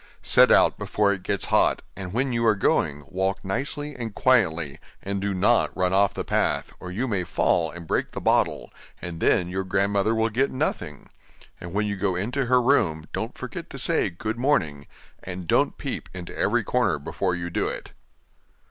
Set out before it gets hot, and when you are going, walk nicely and quietly and do not run off the path, or you may fall and break the bottle, and then your grandmother will get nothing; and when you go into her room, don't forget to say, "Good morning", and don't peep into every corner before you do it.